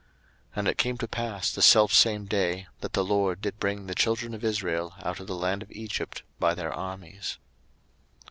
02:012:051 And it came to pass the selfsame day, that the LORD did bring the children of Israel out of the land of Egypt by their armies.